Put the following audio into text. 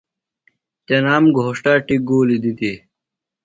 تنام گھوݜٹہ اٹیۡ گُولیۡ دِتیۡ۔